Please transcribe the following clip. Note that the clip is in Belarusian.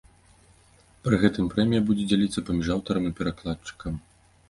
Пры гэтым прэмія будзе дзяліцца паміж аўтарам і перакладчыкам.